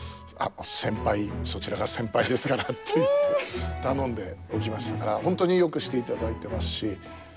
先輩そちらが先輩ですから」って言って頼んでおきましたから本当によくしていただいてますし。